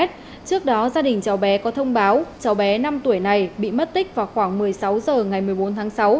trước đó gia đình cháu bé có thông báo cháu bé năm tuổi này bị mất tích vào khoảng một mươi sáu h ngày một mươi bốn tháng sáu